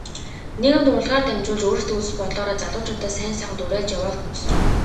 Нийгэмд урлагаар дамжуулж өөрсдийн үзэл бодлоороо залуучуудаа сайн сайханд уриалж яваа л хүмүүс.